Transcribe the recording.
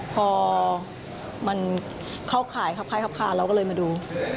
พอมันเข้าข่ายครับขายครับคาเราก็เลยมาดู